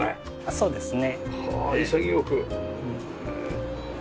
そうですね。